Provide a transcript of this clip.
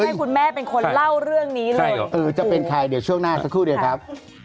คิดคุณแม่เพื่อนเยอะไม่เท่าอย่างนี้นะครับ